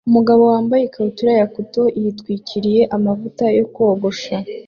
Umugabo wambaye ikabutura ya cotoon yitwikiriye amavuta yo kogosha